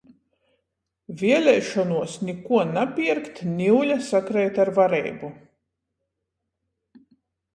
Vieleišonuos nikuo napierkt niuļa sakreit ar vareibu.